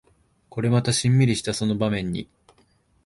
これまたシンミリしたその場面に